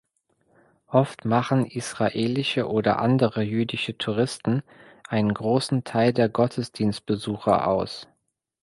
Oft machen israelische oder andere jüdische Touristen einen großen Teil der Gottesdienstbesucher aus.